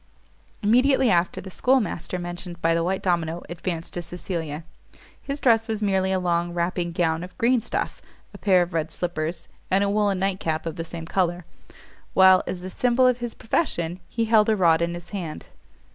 Immediately after the schoolmaster mentioned by the white domino advanced to Cecilia. His dress was merely a long wrapping gown of green stuff, a pair of red slippers, and a woollen night cap of the same colour; while, as the symbol of his profession, he held a rod in his hand.